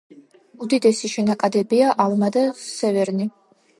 უდიდესი შენაკადებია ალმა და სევერნი.